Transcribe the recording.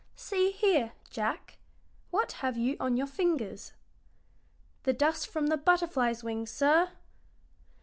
See here, Jack, what have you on your fingers?" "The dust from the butterfly's wings, sir."